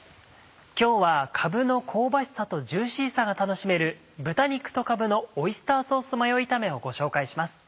今日はかぶの香ばしさとジューシーさが楽しめる豚肉とかぶのオイスターソースマヨ炒めをご紹介します。